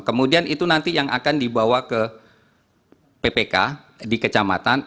kemudian itu nanti yang akan dibawa ke ppk di kecamatan